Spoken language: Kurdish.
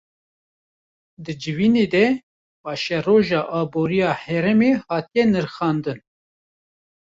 Di civînê de paşeroja aboriya herêmê hate nirxandin